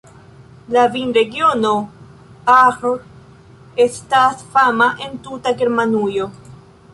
La vinregiono Ahr estas fama en tuta Germanujo.